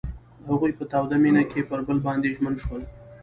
هغوی په تاوده مینه کې پر بل باندې ژمن شول.